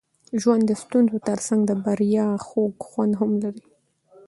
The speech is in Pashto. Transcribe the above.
ژوند د ستونزو ترڅنګ د بریا خوږ خوند هم لري.